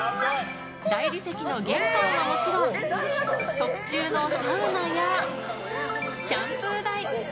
大理石の玄関はもちろん特注のサウナやシャンプー台